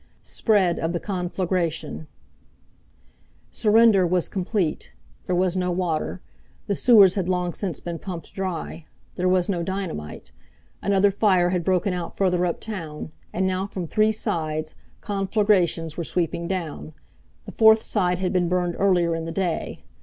Spread of the Conflagration Surrender was complete. There was no water. The sewers had long since been pumped dry. There was no dynamite. Another fire had broken out further uptown, and now from three sides conflagrations were sweeping down. The fourth side had been burned earlier in the day.